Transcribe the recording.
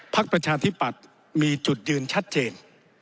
ประชาธิปัตย์มีจุดยืนชัดเจน